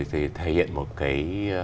thì thể hiện một cái